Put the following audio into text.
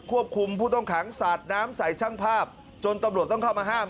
ควบคุมผู้ต้องขังสาดน้ำใส่ช่างภาพจนตำรวจต้องเข้ามาห้าม